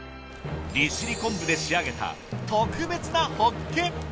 利尻昆布で仕上げた特別なホッケ！